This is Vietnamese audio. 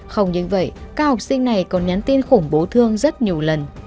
không những vậy các học sinh này còn nhắn tin khủng bố thương rất nhiều lần